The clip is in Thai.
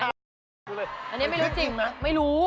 อันนี้ไม่สนิทจริงไม่รู้